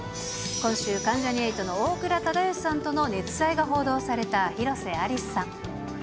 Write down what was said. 今週、関ジャニ∞の大倉忠義さんとの熱愛が報道された広瀬アリスさん。